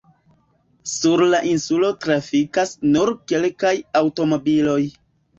Sur la insulo trafikas nur kelkaj aŭtomobiloj.